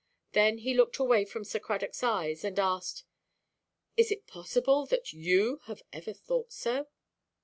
Then he looked away from Sir Cradockʼs eyes, and asked, "Is it possible that you have ever thought so?"